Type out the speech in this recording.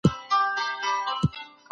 پوه مشر د ټولني لپاره لاره روښانه کوي.